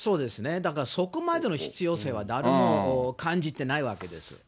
だから、そこまでの必要性は誰も感じてないわけです。